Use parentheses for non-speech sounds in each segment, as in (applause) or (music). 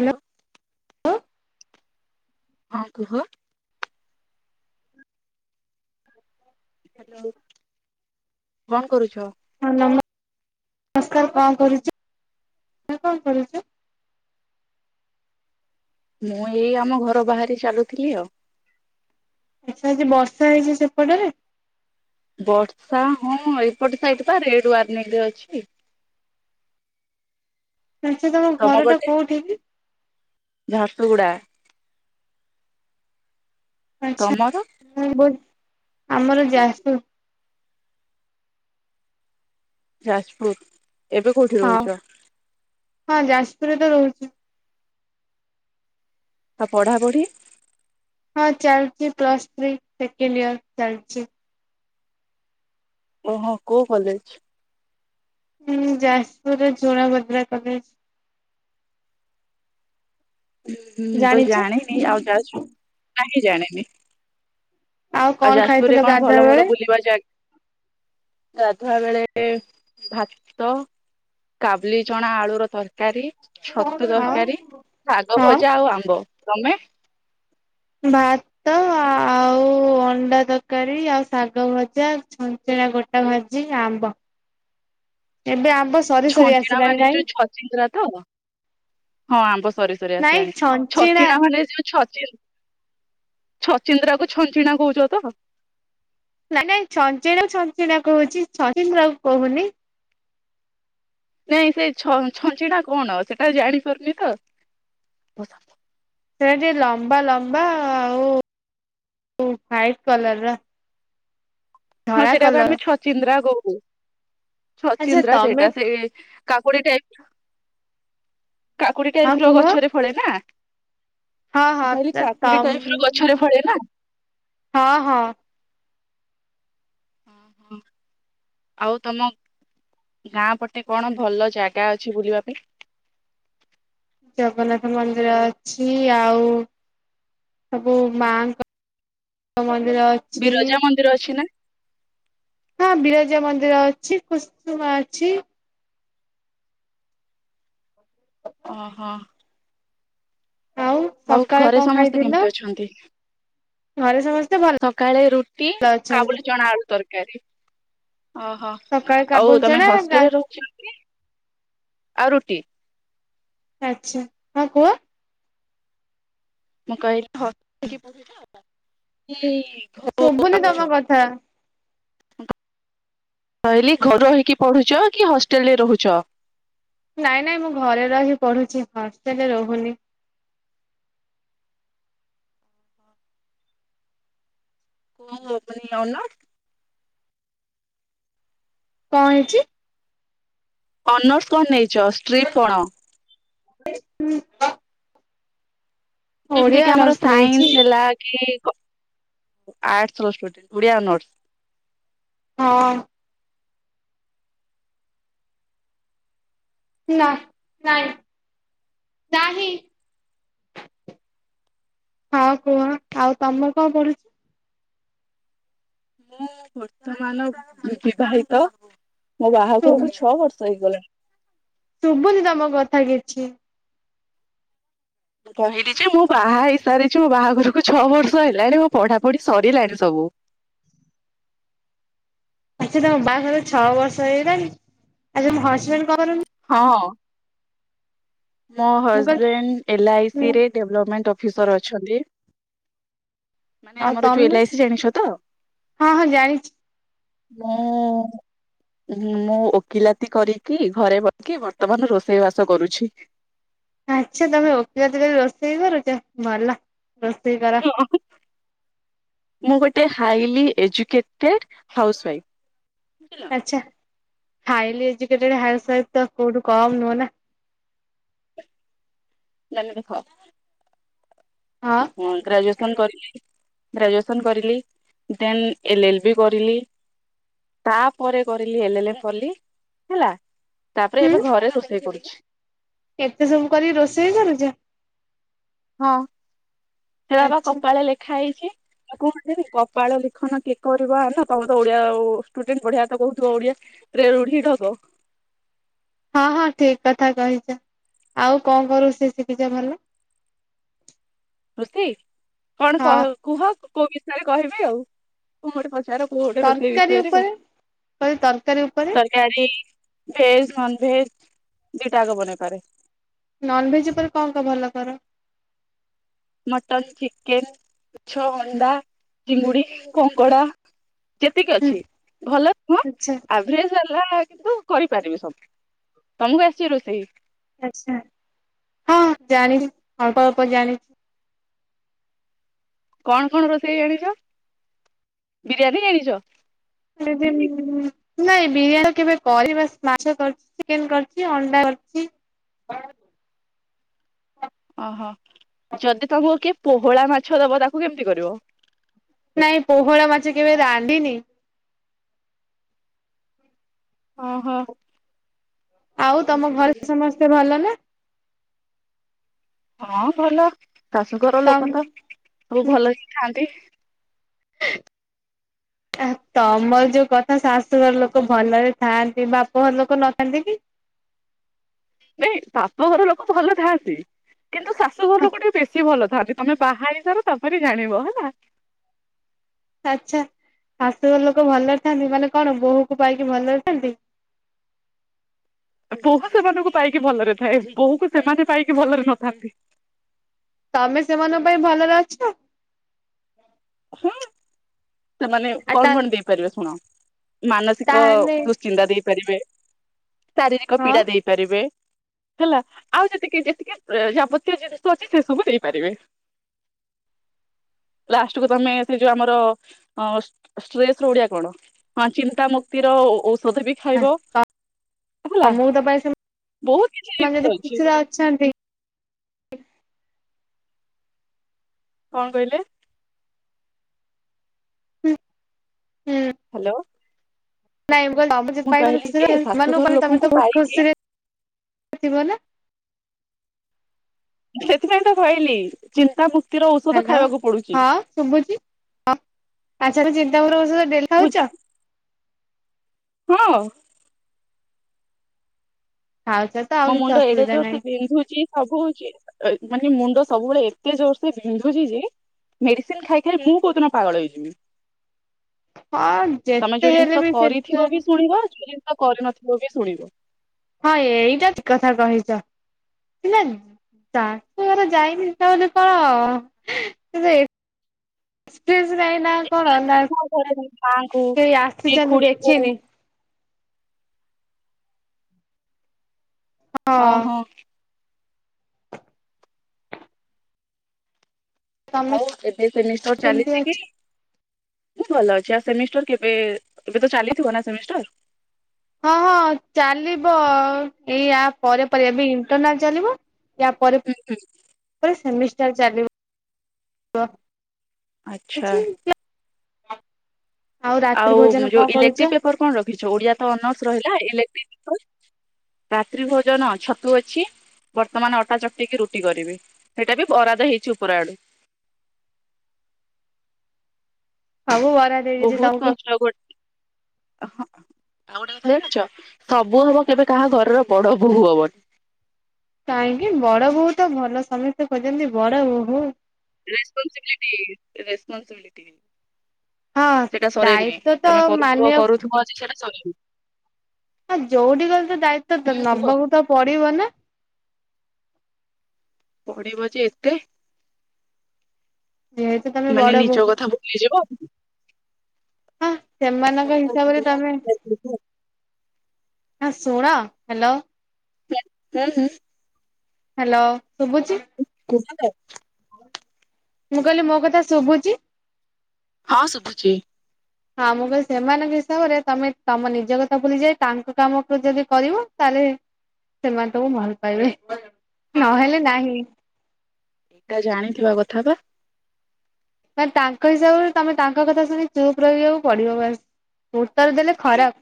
Hello. ହଁ କୁହ। Hello କଣ କରୁଛ। ହଁ ନମସ୍କାର କଣ କରୁଛୁ-କଣ କରୁଛୁ। ମୁଁ ଏଇ ଆମ ଘର ବାହାରି ଚାଲୁଥିଲି ଆଉ। ଆଛା ଆଜି ବର୍ଷା ହେଇଛି ସେପଟରେ। ବର୍ଷା ହଁ ଏପଟେ ସାଇଟ୍ ତ ରେଡ୍ ୱାର୍ଣିିଂ ରେ ଅଛି। ଆଛା ତମ ଘରଟା କୋଉଠିକି। ଝାରସୁଗୁଡ଼ା। ଆଚ୍ଛା ତମର ମୁଁ ବି ଆମର ଯାଜପୁର। ଯାଜପୁର ଏବେ କୋଉଠି ହଁ ରହୁଛ। ହଁ ଯାଜପୁରରେ ତ ରହୁଛି। ତ ପଢ଼ାପଢ଼ି। ହଁ ଚାଲିଛି ପ୍ଲସ୍ ଥ୍ରୀ ସେକେଣ୍ଡ ଇୟର ଚାଲିଛି। ଓହ-ଓହୋ କୋଉ କଲେଜ୍। ହୁଁ ଯାଜପୁରରେ ଝୋଣା ଭଦ୍ରା କଲେଜ୍। ହୁଁ ତ ଜାଣିଛ ଜାଣିନି ଆଉ ଯ କହିଁ ଜାଣି। କଣ ଆଉ ଯାଯପୁର ଖାଇଥିଲ ରେ କଣ ଗାଧୁଆ ବେଳେ? ଭଲ-ଭଲ ବୁଲିବା ଜାଗା। ଗାଧୁଆ ବେଳେ ଭାତ। କାବୁଲି ଚଣା ଆଳୁର ତରକାର ତରକାରୀ ଛତୁ ହଁ ତରକାରୀ ଶାଗ ହଁ ଭଜା ଆଉ ଆମ୍ବ ତମେ? ଭାତ ଆଉ ଅଣ୍ଡା ତରକାରୀ ଆଉ ଶାଗ ଭଜା। ସେରା ଗୋଟା ଭାଜି ଆମ୍ବ ଏବେ ଆମ୍ବ ସରି-ସରି ଛଞ୍ଚିଣା ଆସିିଲାଣିି ମାନେ ନାଇଁ? ଯୋଉ ଛଚିନ୍ଦ୍ରା ତ ହଁ ଆମ୍ବ ସରି ସରି ନାଇଁ ଆସିଲାଣି ଛଞ୍ଚିଣା ଛଚିନ୍ଦା ମାନେ ଯୋଉ ଛଚିନି ଛଚିନ୍ଦ୍ରା କୁ ଛଞ୍ଚିଣା କୋହୂଚ ତ। ମାନେ ଚଞ୍ଚିନା କୁ ଚଞ୍ଚିନା କୋହୂଚି ଛଚିନ୍ଦ୍ରା କୋହୁନି। ନାଇଁ ସେଇ ଛଞ୍ଚିନା ଛଞ୍ଚିନା କଣ ସେଟା ଜାଣିପାରୁନି ତ। ସେଟା ଟିକେ ଲମ୍ବା ଲମ୍ବା ଆଉ ହାଇଟ କଲର ର। ହଁ ଧଳା ସେଇଟାକୁ କଲର ଆମେ ଛଚିନ୍ଦ୍ରା କୋହୁ ଆଚ୍ଛା ଛଚିନ୍ଦ୍ରା ତମେ ସେଇଟା ସେ କାକୁଡି ଟାଇପ କାକୁଡି ହଁ ଟାଇପ ର କୁହ ଗଛରେ ଫଳେ ନା ହଁ ହଁ ମୁ କହିଲି ତ କାକୁଡି ଟାଇପ ତମ ର ଗଛରେ ଫଳେଇ ନା ହଁ ହଁ। ହ ହୋ। ଆଉ ତମ ଗାଁ ପଟେ କଣ ଭଲ ଜାଗା ଅଛି ବୁଲିବା ପାଇଁ। ଜଗନ୍ନାଥ ମନ୍ଦିର ଅଛି ଆଉ ସବୁ ମାଙ୍କ ମନ୍ଦିର ଅ ବିରଜା ମନ୍ଦିର ଅଛି ନା? ହଁ ବିରାଜା ମନ୍ଦିର ଅଛି କୁସୁମା ଅଛି। ଓହୋ। ଆଉ ସକାଳେ ଘରେ କଣ ସମସ୍ତେ ଖାଇଥିଲ କେମିତି ଅଛନ୍ତି? ଘରେ ସମସ୍ତେ ଭଲ ସକାଳେ ରୁଟି ଅଛନ୍ତି? କାବୁଲି ଜଣା ଆଡୁ ତରକାରି। ଓହୋ ସକାଳେ ଆଉ ତମେ କାବୁଲଚଣା ଗା ହଷ୍ଟେଲରେ ରୋହୂଚ କି। ଆଉ ରୁଟି। ଆଛା ହଁ କୁହ? ମୁଁ କହିଲିକି ହଷ୍ଟେଲିଗ୍ ରେ କିଏ ତାପ ରେ କି ନ ହୋଉ ଶୁଭୁନି ତମ ଆଇସ। କଥା। ମୁଁ କହିଲି ଘରେ ରହିଇକି ପଢୁକ କି ହଷ୍ଟେଲ ରେ ରହୁଛ। ନାଇଁ ନାଇଁ ମୁଁ ଘରେ ରହି ପଢୁଛି ହଷ୍ଟେଲରେ ରହୁନି। କୋଉ ମାନେ ଆନା କଣ ହେଇଚି? ଅନର୍ସ କଣ ନେଇକ ଷ୍ଟ୍ରିଟ କଣ? ହ ହୁଁ। ଯେମିତି ଓଡିଆ କି ଆମର ଅନର୍ସ ନେଇଛି ସାଇନ୍ସ ହେଲା କି ଆର୍ଟସଡେଣ୍ଟ ଓଡିଆ ଅନର୍ସ। ହଁ। ନା ନାଇଁ ନାହିଁ। ହଁ କୁହ ଆଉ ତମ କଣ ପଢୁଚ? ମୁଁ ବର୍ତ୍ତମାନ ବିବାହିତ ମୋ ଶୁଭୁ ବାହାଘରକୁ ଛଅ ବର୍ଷ ହେଇଗଲାଣି। ଶୁଭୁନି ତମ କଥା କିଛି? ମୁଁ କହିଲି ଯେ ମୁଁ ବାହା ହେଇସାରିଚି ମୋ ବାହାଘରକୁ ଛଅ ବର୍ଷ ହେଲାଣି ମୋ ପଢାପଢି ସରିଲାଣି ସବୁ। ଆ ସେ ତମ ବାହାଘର ଛଅ ବର୍ଷ ହେଇଗଲାଣି ଆମ ହଜବେଣ୍ଡ କରନ୍ତି? ହଁ। ମୋ ମୁଁ କହିଲି ହଜବେଣ୍ଡ ଏଲ୍ ଆଇ ହୁଁ ସି ରେ ଡେଭଲପମେଣ୍ଟ ଅଫିସର ଅଛନ୍ତି। ମାନେ ଆଉ ଆମର ଯୋଉ ତମେ ଏଲ ଆଇ ସି ଜାଣିଛ ତ? ହଁ ହଁ ଜାଣିଛି। ମୁଁ। ଉଁ ମୁଁ ଓକିଲାତି କରିକି ଘରେ ବସିକି ବର୍ତ୍ତମାନ ରୋଷେଇ ବାସ କରୁଛି। ଆଛା ତମେ ଓକିଲାତି ରୋଷେଇ କରୁଚ ଭଲା ରୋଷେଇ କର। ଅଁହୁଁ। ମୁଁ ଗୋଟେ ହାଇଲି ଏଜୁକେଟେଡ ହାଉସୱାଇଫ୍। ଯା ହାଇଲି ଏଜୁକେଟେଡ ହାଉସୱାଇଫ୍ ତ କୋଉଠୁ କମ୍ ନୁହଁ ନା। ନା ନା ଦେଖ ହଁ ଉଁହଁ ଗ୍ରାଜୁଏସନ୍ କରିଲି। ଗ୍ରାଜୁଏସନ୍ କରିଲି। ଦେନ୍ ଏଲ ଏଲ୍ ବି କରିଲି। ତାପରେ କରିଲି ଏଲ୍ ଏଲ୍ ଏମ୍ ପଢିଲି ହେଲା ତାପରେ ହୁଁ ଏବେ ଘରେ ରୋଷେଇ କରୁଛି। ଏତେ ସବୁ କରିକି ରୋଷେଇ କରୁଛ? ହଁ ସେୟା ବା ଆଛା କପାଳେ ଲେଖା ହେଇଛି। ଆଉ କୁହନ୍ତିନି କପାଳ ଲିଖନ କେ କରିବ ଆନ। ତମେ ତ ଓଡିଆ ଓ ଷ୍ଟୁଡେଣ୍ଟ ବଢିଆ ତ କହୁଥିବ ଓଡିଆ। (unintelligible) ରୁଢି ଢଗ। ହଁ ହଁ ଠିକ୍ କଥା କହିଛ। ଆଉ କଣ କଣ ରୋଷେଇ ଶିଖିଛ ଭଲ? ରୋଷେଇ? କଣ କ ହଁ କୁହ କୋଉ ବିଷୟରେ କହିବି ଆଉ। କଣ ଗୋଟେ ପଚାର? କୋଉ ଗୋଟେ ରୋଷେଇ ତରକାରୀ ବିଷୟରେ ଆଉ। ଉପରେ କହିଲି ତରକାରୀ ଉପରେ ତର୍ କାରୀ ଭେଜ୍ ନନଭେଜ୍ ଦିଟାଯାକ ବନେଇପାରେ। ନନଭେଜ୍ ଉପରେ କଣ କଣ ଭଲ କର? ମଟନ, ଚିକେନ, ମାଛ, ଅଣ୍ଡା, ଚିଙ୍ଗୁଡି, କଙ୍କଡ଼ା। ଯେତିକି ହୁଁ ଅଛି ଭଲ (unintelligible) ଆଉ? ଆଛା ଭେଜ୍ ବାଲା କିନ୍ତୁ କରିପାରିବି ସବୁ। ତମୁକୁ ଆସିବ ରୋଷେଇ? ଆଚ୍ଛା। ହଁ ଜାଣିଛି। ଅଳ୍ପ ଅଳ୍ପ ଜାଣିଛି। କଣ କଣ ରୋଷେଇ ଜାଣିଛ? ବିରିୟାନୀ ଜାଣିଛ? (unintelligible) ନାଇଁ ବିରିୟାନୀ ତ କେବେ କରିବା ଶି ମାଛ କରିଛି, ଚିକେନ୍ କରିଛି, ଅଣ୍ଡା କରିଛି। ଓହୋ ଯଦି ତମୁକୁ କିଏ ପୋହଳା ମାଛ ଦବ ତାକୁ କେମିତି କରିବ? ନାଇଁ ପୋହଳା ମାଛ କେବେ ରାନ୍ଧିନି। ଓହୋ। ଆଉ ତମ ଘରେ ସମସ୍ତେ ଭଲ ନା? ହଁ ଭଲ। ଶାଶୁଘର ଲୋକ ତମ ତ ସବୁ ଭଲ ହିଁ ଥାଆନ୍ତି। (unintelligible) ଆଁ ତମର ଯୋଉ କଥା ଶାଶୁଘର ଲୋକ ଭଲରେ ଥାଆନ୍ତି ବାପଘର ଲୋକ ନଥାନ୍ତି କି? ନାଇଁ ବାପଘର ଲୋକ ଭଲ ଥାଆନ୍ତି। କିନ୍ତୁ ଶାଶୁଘର ଲୋକ ଟିକେ ବେଶୀ ଭଲ ଥାଆନ୍ତି। ତମେ ବାହାହେଇ ସାର ତା ପରେ ଜାଣିବ ହେଲା। ଆଚ୍ଛା ଶାଶୁଘର ଲୋକ ଭଲରେ ଥାଆନ୍ତି। ମାନେ କଣ ବୋହୂକୁ ପାଇକି ଭଲରେ ଥାଆନ୍ତି? ବୋହୂ ସେମାନଙ୍କୁ ପାଇକି ଭଲରେ ଥାଏ। ବୋହୂକୁ ସେମାନେ ପାଇକି ଭଲରେ ନଥାନ୍ତି। ତମେ ସେମାନଙ୍କ ପାଇଁ ଭଲରେ ଅଛ? ହୁଁ ସେମାନେ ଆଉ କଣ ତା କଣ ଦେଇପାରିବେ ଶୁଣ ମାନସିକ ତାହେଲେ ଦୁଶ୍ ଚିନ୍ତା ଦେଇପାରିବେ, ଶାରୀରିକ ହଁ। ପୀଡା ଦେଇପାରିବେ ହେଲା ଆଉ ଯେତିକି ଯେତିକି ଏ ଯାବତୀୟ ଜିନିଷ ଅଛି ସେ ସବୁ ଦେଇପାରିବେ। (unintelligible) ତମେ ସେଇ ଯୋଉ ଆମର ଅଁ ଷ୍ଟ୍ ଷ୍ଟ୍ରେସର ଓଡିଆ କଣ? ହଁ ଚିନ୍ତା ମୁକ୍ତିର ଓ-ଓ-ଔଷଧ ବି। ଖାଇବ ହେଲା। ତମକୁ ତ ପାଇ ବହୁତ କିଛି ସେମାନେ ଯଦି ଜିନିଷ ଅଛି। (unintelligible) କଣ କହିଲେ? ହୁଁ ହୁଁ। ହ୍ୟାଲୋ। ନାଇଁ ମୁଁ କହିଲି ଯେ ଶାଶୁଘର (inaudible) ଲୋକଙ୍କୁ ବହୁତ ପାଇକି ଖୁସିରେ ଥିବନା। ସେଥିପାଇଁ ତ କହିଲି ଚିନ୍ତା ମୁକ୍ତିର ଔଷଧ ହ୍ୟାଲୋ ଖାଇବାକୁ ପଡୁଛି ହଁ ଶୁଭୁଛି ହଁ (inaudible) ଚିନ୍ତା କର ସତ ଡେଲ ବୁଝି ହଉଛ। ହଁ। (inaudible) ମୋ ମୁଣ୍ଡ ଏଡେ ଅସୁବିଧା ଜୋର ନାହିଁ। ସେ ବିନ୍ଧୁଛି। ସବୁହଉଛି ମାନେ ମୁଣ୍ଡ ସବୁବେଳେ ଏତେ ଜୋର ସେ ବିନ୍ଧୁଛି ଯେ। ମେଡିସିନ ଖାଇ ଖାଇ ମୁଁ କୋଉଦିନ ପାଗଳ ହେଇଯିବି। ହଁ ଯେତେ ହେଲେ ବି ସେଟା। (inaudible) ଆଉ କରିନଥିବୁ ବି ଶୁଣିବୁ। ହଁ ଏଇଟା ଠିକ କଥା କହିଛ କି ନାଇଁ। ଶାଶୁ ଘର ଯାଇନି ଯେ ତାବୋଲି କଣ ଏକ୍ସପିରିନ୍ସ ନାହିଁ ନା କଣ ହଁ ଘରେ ମାଙ୍କୁ କେହି କି ଆସିଛନ୍ତି ଖୁଡିକୁ ଦେଖିନି। ହଁ ଅହଁ। ତମେ ଆଉ ଏବେ ସେମିଷ୍ଟର କେମିତି ଚାଲିଛି ଅଛ କି? ହୁଁ ଭଲ ଅଛି ଆଉ ସେମିଷ୍ଟର କେବେ ଏବେ ତ ଚାଲିଥିବ ନା ସେମିଷ୍ଟର। ହଁ ହଁ ଚାଲିବ ଏଇଆ ପରେ ପରେ ଏବେ ଇଣ୍ଟରନାଲ ଚାଲିବ। ଇୟା ପରେ। ହୁଁ ହୁଁ। ପୁରା ସେମିଷ୍ଟାର ଚାଲିବ। ଆଚ୍ଛା (inaudible) ଆଉ ଭୋଜନ ଯୋଉ କଣ କରୁଛ ଇଲେକ୍ଟ୍ରିକ ପେପର କଣ ରଖିଛ ଓଡିଆ ତ ଅନର୍ସ ରହିଲା ଇଲେଟ୍ରି ପେପର। ରାତ୍ରି ଭୋଜନ ଛତୁ ଅଛି। ବର୍ତ୍ତମାନ ଅଟା ଚଟେଇକି ରୁଟି କରିବି ସେଇଟା ବି ବରାଦ ହେଇଛି ଉପର ଆଡୁ। ସବୁ ବରାଦ। ବହୁତ କଷ୍ଟ କରଛି ଆଉ ଗୋଟେ କଥା ଜାଣିଛ ସବୁ ହବ କେବେ କାହା ଘରର ବଡ ବୋଉୂ ହବନି। କାହିଁକି ବଡ ବୋଉ ତ ଭଲ ସମସ୍ତେ ଖୋଜଛନ୍ତି ବଡ ବୋହୁୂ। Responsibility responsibility. ହଁ ସେଇଟା ସରିନି ଦାୟିତ୍ଵ ତ ତମେ କରୁଥିବ ମାନିବାକୁ କରୁଥିବ ସେଟା ସରିନି। ଆଉ ଯୋଉଠି କଲେ ତ ଦାୟିତ୍ଵ ହୁଁ କୁହ ନବକୁ ତ ପଡିବ ନା। ପଢିବ ଯେ ଏତେ ଯେହେତୁ ତମେ ବଡ ମାନେ ନିଜ ବୋହୂ କଥା ଭୁଲି ଯିବ। ହଁ ନିଜ ସେମାନଙ୍କ କଥା ହିସାବରେ ଭୁଲିଗଲା ତମେ ଶୁଣ ହ୍ୟାଲୋ। ହେଲେ। ହ୍ୟାଲୋ ଶୁଭୁଛିି। ଖୁସିତ। ମୁଁ କହିଲି ମୋ କଥା ଶୁଭୁଛି। ହଁ ଶୁଭୁଛି। ହଁ ମୁଁ କିହିଲି ସେମାନଙ୍କ ହିସାବରେ ତମେ ତମ ନିଜ କଥା ଭୁଲିଯାଇ ତାଙ୍କ କାମକୁ ଯଦି କରିବ ତାହେଲେ ସେମାନେ ତମୁକୁ ଭଲ ପାଇବେ ହଁ ନହେଲେ ନାହିଁ। ଏଟା ଜାଣିଥିବା କଥା ବା। ମାନେ ତାଙ୍କ ହିସାବରେ ତମେ ତାଙ୍କ କଥା ଶୁଣି ଚୁପ୍ ରହିବାକୁ ପଡିବ ବା ଉତ୍ତର ଦେଲେ ଖରାପ।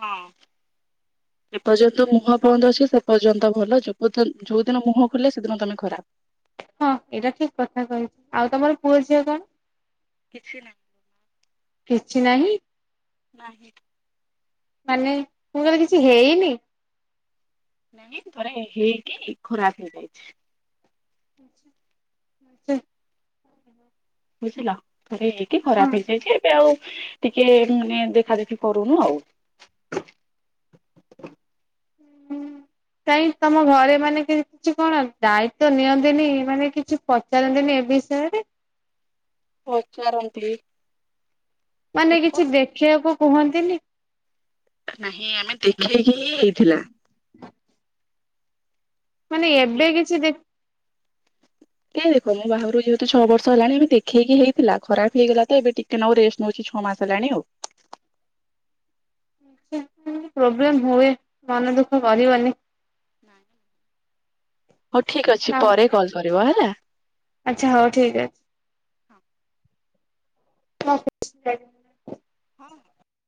ହଁ। ଏପର୍ଯ୍ୟନ୍ତ ମୁହଁ ବନ୍ଦ ଅଛି ସେ ପର୍ଯ୍ୟନ୍ତ ଭଲ ଯୋ ଯୋଉ ଦିନ ମୁହଁ ଖୋଲେ ସେଦିନ ତମେ ଖରାପ। ହଁ ଏଇଟା ଠିକ କଥା କହିଛି ଆଉ ତମର ପୁଅ ଝିଅ କଣ? କିଛି ନାହିଁ। କିଛି ନାହିଁ। ନାହି। ମାନେ ତୁମର କିଛି ହେଇନି? ନାଇଁ ଥରେ ହେଇକି ଖରାପ ହେଇଯାଇଛି। ହେ ହୁଁ ବୁଝିଲ ଥ ଏଇକି ଖରାପ ହେଇଯାଇଛି ଏବେ ଆଉ ଟିକେ ମାନେ ଦେଖା ଦେଖି କରୁନୁ ଆଉ ହୁଁ। କାଇଁ ତମ ଘରେ ମାନେ କିଛି କଣ ଦାୟିତ୍ଵ ନିଅନ୍ତିନି ମାନେ କିଛି ପଚାରନ୍ତିନି ଏ ବିଷୟରେ? ପଚାରନ୍ତି? ମାନେ କିଛି ଦେଖିବାକୁ କୁହନ୍ତିନି? ନାହିଁ ଆମେ ଦେଖେଇକି ହିଁ ହେଇଥିଲା? ମାନେ ଏବେ ଦେଖେଇକି କିଛି ଦେ ଏ ଦେଖ ମୋ ବାହାଘରକୁ ଯେହେତୁ ଛଅ ବର୍ଷ ହେଲାଣି ଏବେ ଦେଖେଇକି ହେଇଥିଲା ଖରାପ ହେଇଗଲା ତ ଏବେ ଟିକେ ଟିକେ ନକୁ ରେଷ୍ଟ ନଉଛି ଛଅ ମାସ ହେଲାଣି ଆଉ ଏମିତି ପ୍ରୋବ୍ଲେମ ହୁଏ ମନ ଦୁଃଖ କରିବନି? ହଉ ଠିକ ଅଛି ପରେ କଲ କରିବ ହେଲା। ଆଚ୍ଛା ହଉ ଠିକ୍ ଅଛି। ହଁ (inaudible) ହଁ।